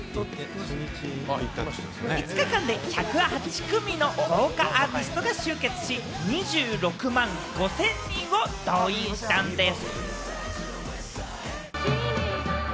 ５日間で１０８組の豪華アーティストが集結し、２６万５０００人を動員したんでぃす！